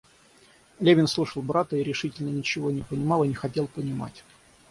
Левин слушал брата и решительно ничего не понимал и не хотел понимать.